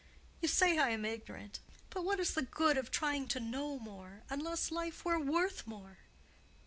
"You say I am ignorant. But what is the good of trying to know more, unless life were worth more?"